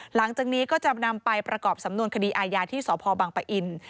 หลังจากนี้ก็จะนำไปประกอบสำนวนคดีอาญาที่สพบังปะอิน